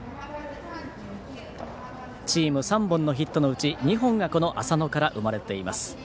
チーム３本のヒットのうち２本が浅野から生まれています。